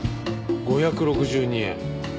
５６２円。